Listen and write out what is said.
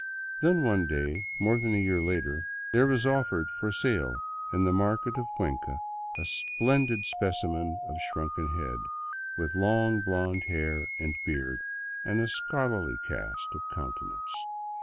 Then one day, more than a year later, there was offered for sale in the market of Cuenca a splendid specimen of shrunken head, with long, blond hair and beard and a scholarly cast of countenance.